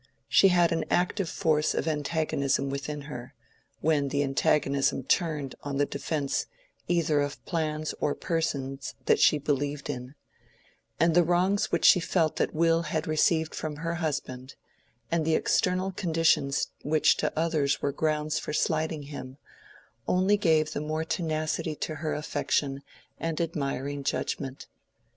She had an active force of antagonism within her, when the antagonism turned on the defence either of plans or persons that she believed in; and the wrongs which she felt that Will had received from her husband, and the external conditions which to others were grounds for slighting him, only gave the more tenacity to her affection and admiring judgment.